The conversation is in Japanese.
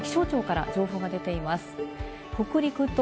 気象庁から情報が出ています。